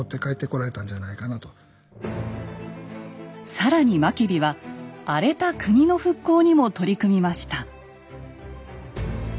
更に真備は荒れた国の復興にも取り組みました。